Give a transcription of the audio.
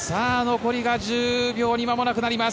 残りが１０秒にまもなくなります。